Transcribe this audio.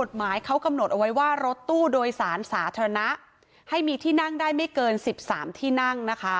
กฎหมายเขากำหนดเอาไว้ว่ารถตู้โดยสารสาธารณะให้มีที่นั่งได้ไม่เกิน๑๓ที่นั่งนะคะ